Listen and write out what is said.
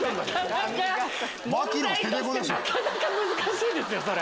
なかなか難しいですそれ。